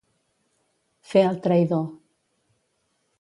Fer el traïdor.